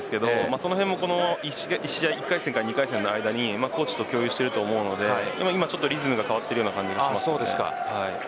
そのあたりも１回戦から２回戦の相手にコーチと共有しているのでリズムが変わっている感じがします。